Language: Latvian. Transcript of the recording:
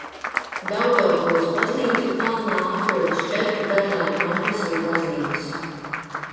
Daugavpils Baznīcu kalnā atrodas četru dažādu konfesiju baznīcas.